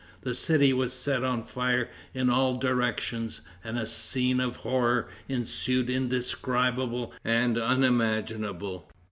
The city was set on fire in all directions, and a scene of horror ensued indescribable and unimaginable.